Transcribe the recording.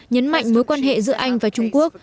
nhấn mạnh mối quan hệ giữa anh và trung quốc